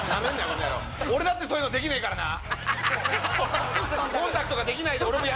この野郎俺だってそういうのできねえからな！